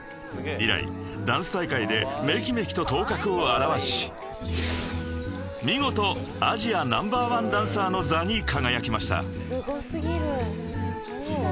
［以来ダンス大会でめきめきと頭角を現し見事アジアナンバーワンダンサーの座に輝きました］